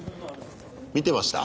見てました？